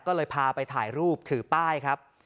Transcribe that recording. ก็เลยพาไปถ่ายรูปถือป้ายครับ